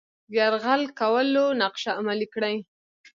یرغل کولو نقشه عملي کړي.